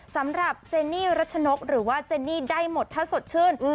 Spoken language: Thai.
สำหรับเจนี่รัชนกหรือว่าเจนี่ได้หมดถ้าสดชื่น